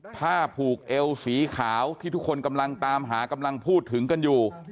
ผ้าผูกเอวสีขาวที่ทุกคนกำลังตามหากำลังพูดถึงกันอยู่